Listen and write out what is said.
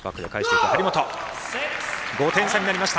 ５点差になりました。